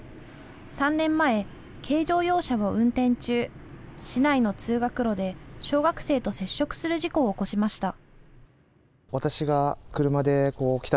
３年前、軽乗用車を運転中、市内の通学路で小学生と接触する事故を起こしました。